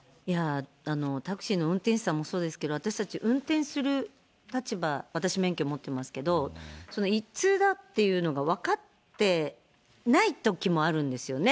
タクシーの運転手さんもそうですけど、私たち運転する立場、私、免許持ってますけど、一通だっていうのが分かってないときもあるんですよね。